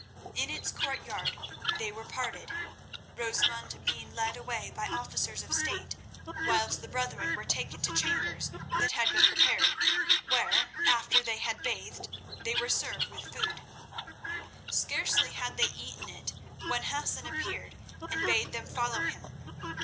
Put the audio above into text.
In its courtyard they were parted, Rosamund being led away by officers of state, whilst the brethren were taken to chambers that had been prepared, where, after they had bathed, they were served with food. Scarcely had they eaten it when Hassan appeared, and bade them follow him.